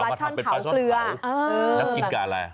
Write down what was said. ปลาช่อนเผาเกลือน้ำจิ้มกับอะไร